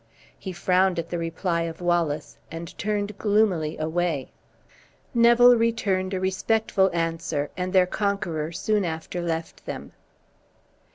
He frowned at the reply of Wallace, and turned gloomily away. Neville returned a respectful answer, and their conqueror soon after left them.